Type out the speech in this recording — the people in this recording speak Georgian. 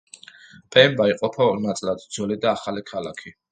პემბა იყოფა ორ ნაწილად: ძველი და ახალი ქალაქი.